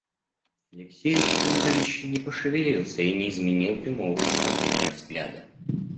Алексей Александрович не пошевелился и не изменил прямого направления взгляда.